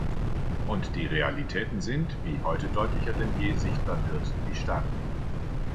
Und die Realitäten sind, wie heute deutlicher denn je sichtbar wird, die Staaten.